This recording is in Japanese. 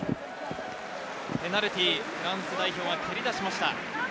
ペナルティー、フランス代表が蹴り出しました。